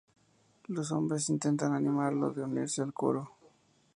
Los hombres intentan animarlo de unirse al coro.